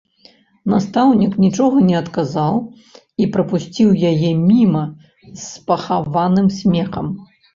Настаўнік нічога не адказаў і прапусціў яе міма з пахаваным смехам.